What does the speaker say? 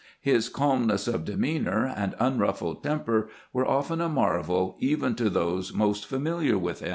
His calmness of demeanor and unruffled temper were often a marvel even to those most familiar with him.